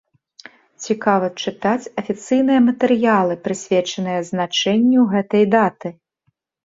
Цікава чытаць афіцыйныя матэрыялы, прысвечаныя значэнню гэтай даты.